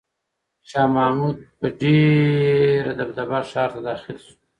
شاه محمود په ډېره دبدبه ښار ته داخل شو.